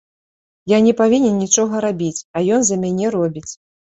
Я не павінен нічога рабіць, а ён за мяне робіць.